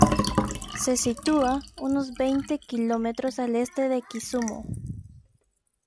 Se sitúa unos veinte kilómetros al este de Kisumu.